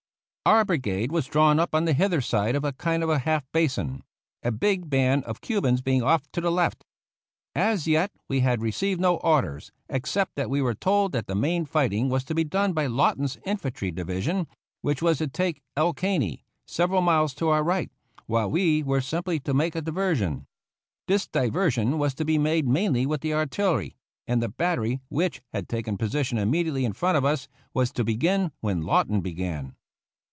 Our brigade was drawn up on the hither side of a kind of half basin, a big band of Cubans being off to the left. As yet we had received no orders, except that we were told that the main fighting was to be done by Lawton's infantry division, which was to take El Caney, several miles to our right, while we were simply to make a diversion. This diversion was to be made mainly with the artillery, and the battery which ii6 THE CAVALRY AT SANTIAGO had taken position immediately in front of us was to begin when Lawton began.